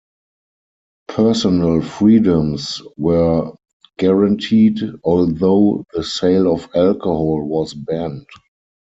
Personal freedoms were guaranteed, although the sale of alcohol was banned.